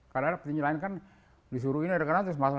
karena petinju lain kan disuruh ini ada yang terus masak